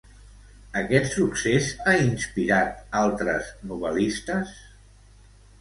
Aquest succés ha inspirat altres novel·listes?